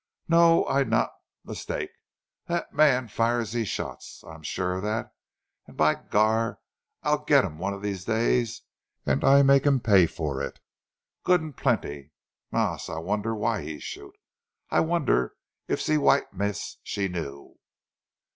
"No, I not meestake. Dat man fire zee shots. I sure of dat; an' by Gar! I get heem one of dese days, an' I make heem pay for it, good an' plenty. Mais I wonder why he shoot? I wonder eef zee white mees, she knew?"